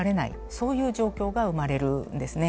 そういう状況が生まれるんですね。